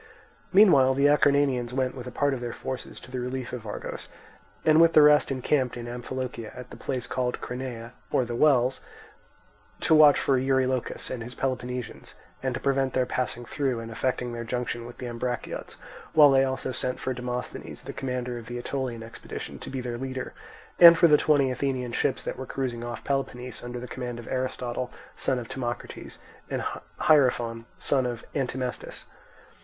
Meanwhile the Acarnanians went with a part of their forces to the relief of Argos, and with the rest encamped in Amphilochia at the place called Crenae, or the Wells, to watch for Eurylochus and his Peloponnesians, and to prevent their passing through and effecting their junction with the Ambraciots; while they also sent for Demosthenes, the commander of the Aetolian expedition, to be their leader, and for the twenty Athenian ships that were cruising off Peloponnese under the command of Aristotle, son of Timocrates, and Hierophon, son of Antimnestus.